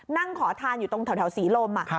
นั่งขอทานอยู่ตรงแถวศรีลม